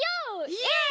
イエーイ！